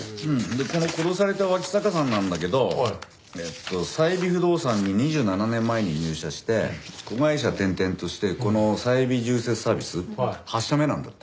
でこの殺された脇坂さんなんだけどえっと最美不動産に２７年前に入社して子会社転々としてこのサイビ住設サービス８社目なんだって。